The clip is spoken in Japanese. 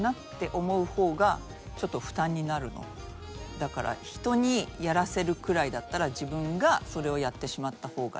だから人にやらせるくらいだったら自分がそれをやってしまった方がいい。